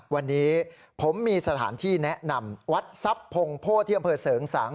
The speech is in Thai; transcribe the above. วันนี้ผมมีสถานที่แนะนำวัดทรัพย์พงโพธิที่อำเภอเสริงสัง